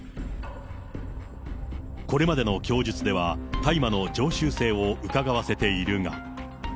これまでの供述では、大麻の常習性をうかがわせているが。